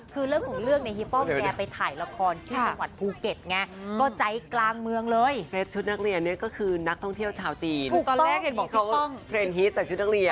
เพราะมันเป็นนักเรียนจริง